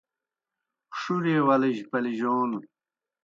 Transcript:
ݜُریْئے ولِجیْ پلیجون